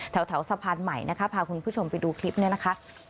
แถวสะพานใหม่นะคะพาคุณผู้ชมไปดูคลิปนี้นะคะ